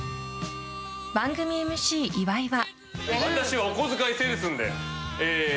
番組ＭＣ岩井は。